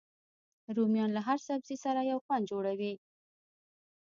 رومیان له هر سبزي سره یو خوند جوړوي